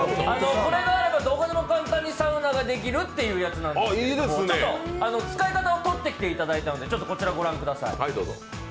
これがあればどこでも簡単にサウナができるっていうやつなんですけど使い方を撮ってきていただいたので、こちらを御覧ください。